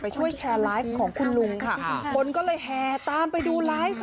ช่วยแชร์ไลฟ์ของคุณลุงค่ะคนก็เลยแห่ตามไปดูไลฟ์ค่ะ